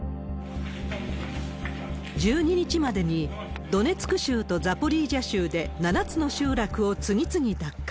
１２日までに、ドネツク州とザポリージャ州で７つの集落を次々奪還。